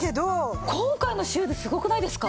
今回のシューズすごくないですか？